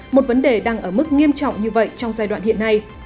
một vấn đề đang ở mức nghiêm trọng như vậy trong giai đoạn hiện nay